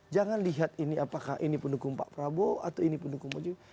jangan lihat ini apakah ini pendukung pak prabowo atau ini pendukung pak jokowi